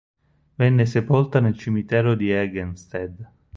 Venne sepolta nel cimitero di Egenstedt.